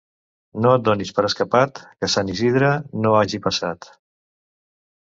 No et donis per escapat, que Sant Isidre no hagi passat.